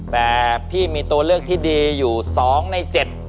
แต่พี่มีตัวเลือกที่ดีอยู่๒ใน๗